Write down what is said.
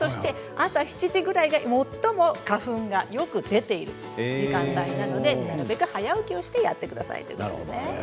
朝７時ごろが最も花粉がよく出ている時間帯なので早起きをしてやってください。